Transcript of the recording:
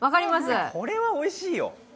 これはおいしいよ。